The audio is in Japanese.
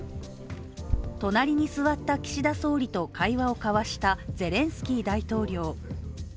隣に座った岸田総理と会話を交わしたゼレンスキー大統領。